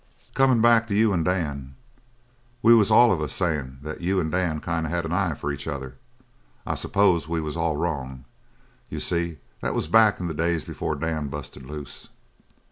"Comin' back to you and Dan, we was all of us sayin' that you and Dan kind of had an eye for each other. I s'pose we was all wrong. You see, that was back in the days before Dan busted loose.